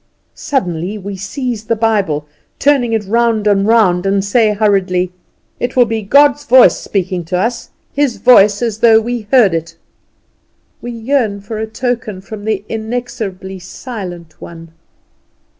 Suddenly we seize the Bible, turning it round and round, and say hurriedly: "It will be God's voice speaking to us; His voice as though we heard it." We yearn for a token from the inexorably Silent One.